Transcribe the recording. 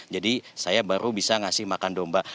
jadi saya baru bisa ngasih makan domba